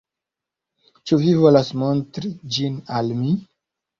Ĉu vi volas montri ĝin al mi?